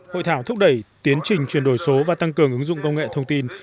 hội thảo thúc đẩy tiến trình chuyển đổi số và tăng cường ứng dụng công nghệ thông tin